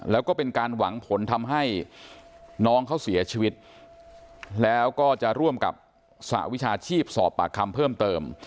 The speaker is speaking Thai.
แล้วก็เป็นการหวังผลทำให้น้องเขาเสียชีวิตแล้วก็จะร่วมกับสหวิชาชีพสอบปากคำเพิ่มเติม